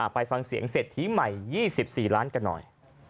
ไปฟังเสียงเศรษฐีใหม่๒๔ล้านกันหน่อย